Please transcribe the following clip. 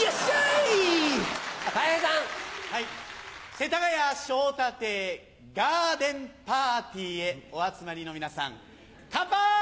世田谷昇太邸ガーデンパーティーへお集まりの皆さんカンパイ！